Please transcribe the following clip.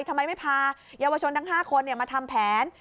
ทำไมไม่พาเยาวชนทั้ง๕คนมาทำแผน